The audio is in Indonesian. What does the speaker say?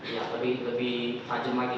ya lebih tajam lagi